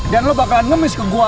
dan lo bakalan ngemis ke gua